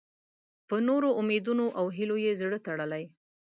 په نورو امیدونو او هیلو یې زړه تړلی.